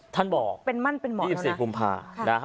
ท่านบอกเป็นมั่นเป็นเหมาะแล้วนะ๒๔กุมภาพ